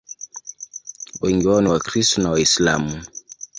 Wengi wao ni Wakristo na Waislamu.